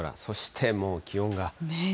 そしてもう気温が。